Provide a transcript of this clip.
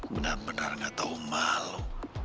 benar benar gak tau malu